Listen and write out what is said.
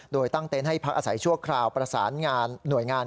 โดยตั้งเต็นต์ให้พักอาศัยชั่วคราวประสานงานหน่วยงาน